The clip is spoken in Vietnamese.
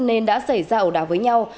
nên đã xảy ra ổ đảo với nhau